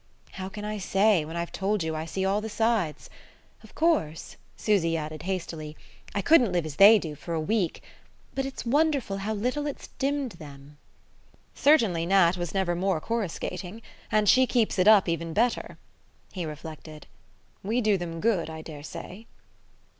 "How can I say, when I've told you I see all the sides? Of course," Susy added hastily, "I couldn't live as they do for a week. But it's wonderful how little it's dimmed them." "Certainly Nat was never more coruscating. And she keeps it up even better." He reflected. "We do them good, I daresay."